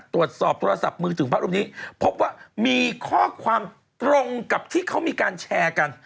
ตรวจสอบโทรศัพท์มือถือพระรูปนี้พบว่ามีข้อความตรงกับที่เขามีการแชร์กัน